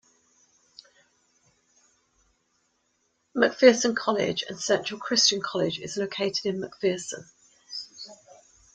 McPherson College and Central Christian College is located in McPherson.